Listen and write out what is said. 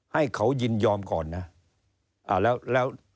ให้เขายินยอมก่อนนะ